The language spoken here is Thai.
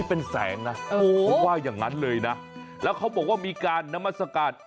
เป็นแสงนะเขาว่าอย่างนั้นเลยนะแล้วเขาบอกว่ามีการนามัศกาล